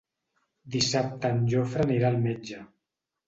Dissabte en Jofre anirà al metge.